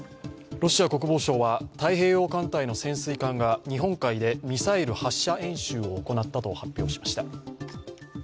ロシア国防省は太平洋艦隊の潜水艦が日本海でミサイル発射演習を行ったと発表しました。